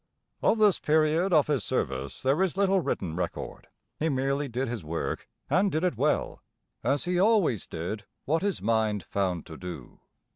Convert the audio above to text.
Of this period of his service there is little written record. He merely did his work, and did it well, as he always did what his mind found to do.